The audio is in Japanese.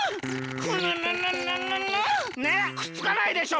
くっつかないでしょ？